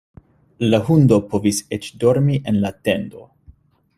La hundo povis eĉ dormi en la tendo.